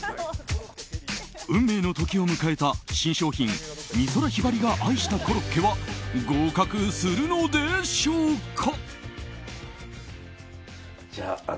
運命の時を迎えた新商品美空ひばりが愛したコロッケは合格するのでしょうか。